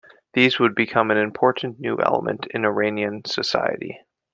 These would become an important new element in Iranian society.